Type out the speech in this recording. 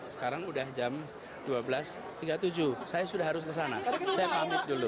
sekarang udah jam dua belas tiga puluh tujuh saya sudah harus kesana saya pamit dulu